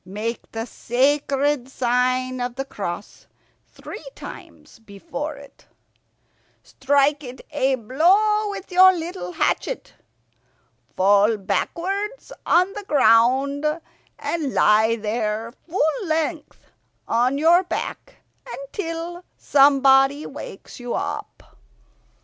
Make the sacred sign of the cross three times before it. Strike it a blow with your little hatchet. Fall backwards on the ground, and lie there, full length on your back, until somebody wakes you up.